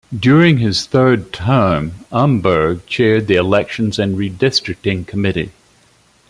During his third term, Umberg Chaired the Elections and Redistricting Committee.